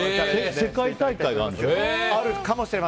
世界大会があるんでしょ。